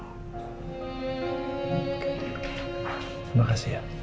terima kasih ya